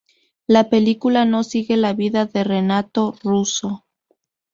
La película no sigue la vida de Renato Russo.